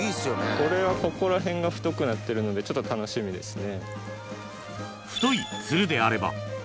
これはここらへんが太くなってるのでちょっと楽しみですね。